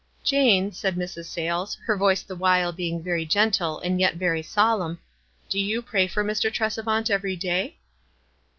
"Jane," said Mrs. Sayles, her voice the while being very gentle, and yet very solemn, "do you pray for Mr. Tresevant every day